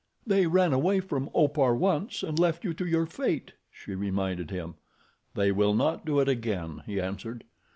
"They ran away from Opar once, and left you to your fate," she reminded him. "They will not do it again," he answered.